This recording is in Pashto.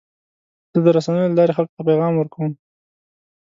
زه د رسنیو له لارې خلکو ته پیغام ورکوم.